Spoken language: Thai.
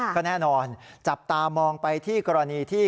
ก็แน่นอนจับตามองไปที่กรณีที่